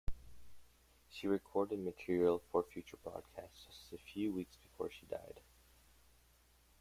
She recorded material for future broadcasts just a few weeks before she died.